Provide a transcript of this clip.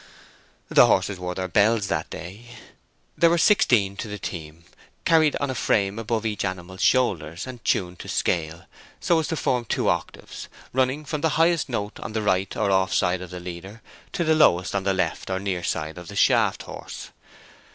The horses wore their bells that day. There were sixteen to the team, carried on a frame above each animal's shoulders, and tuned to scale, so as to form two octaves, running from the highest note on the right or off side of the leader to the lowest on the left or near side of the shaft horse.